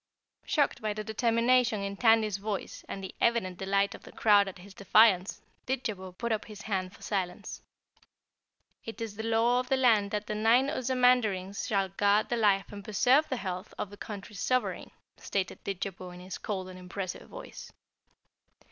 Shocked by the determination in Tandy's voice and the evident delight of the crowd at his defiance, Didjabo put up his hand for silence. "It is the law of the land that the nine Ozamandarins shall guard the life and preserve the health of the country's sovereign," stated Didjabo in his cold and impressive voice.